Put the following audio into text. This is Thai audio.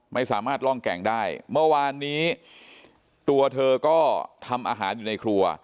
ไม่สามารถล่องแก่งได้เมื่อวานนี้ตัวเธอก็ทำอาหารอยู่ในครัว